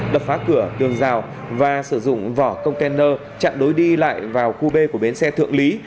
đập phá cửa tường rào và sử dụng vỏ container chặn đối đi lại vào qb của bến xe thượng lý